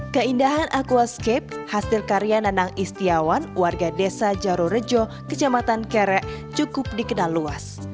keindahan aquascape hasil karya nanang istiawan warga desa jarorejo kejamatan kerek cukup dikenal luas